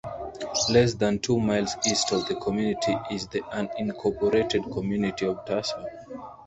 Less than two miles east of the community is the unincorporated community of Tasso.